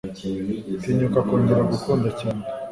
tinyuka kongera gukunda cyane